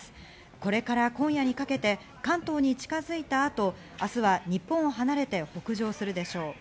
これから今夜にかけて関東に近づいた後、明日は日本を離れて北上するでしょう。